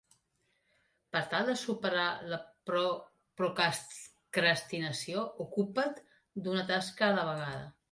Per tal de superar la procrastinació, ocupa"t d"una tasca a la vegada.